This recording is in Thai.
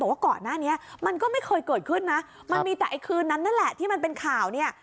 ว่าก่อนหน้านี้มันก็ไม่เคยเกิดขึ้นนะมันมีแต่ไอ้คืนนั้นนั่นแหละที่มันเป็นข่าวเนี่ย